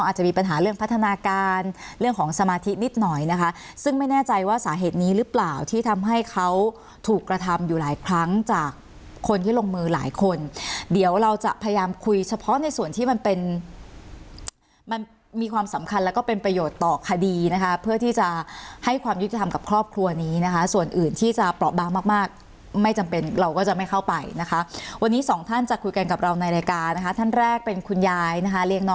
หาเรื่องพัฒนาการเรื่องของสมาธินิดหน่อยนะคะซึ่งไม่แน่ใจว่าสาเหตุนี้หรือเปล่าที่ทำให้เขาถูกกระทำอยู่หลายครั้งจากคนที่ลงมือหลายคนเดี๋ยวเราจะพยายามคุยเฉพาะในส่วนที่มันเป็นมันมีความสำคัญแล้วก็เป็นประโยชน์ต่อคดีนะคะเพื่อที่จะให้ความยุติธรรมกับครอบครัวนี้นะคะส่วนอื่นที่จะเปราะบ้างมากไม่จำเป็นเร